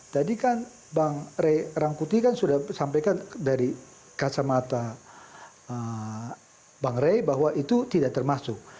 tadi kan bang ray rangkuti kan sudah sampaikan dari kacamata bang ray bahwa itu tidak termasuk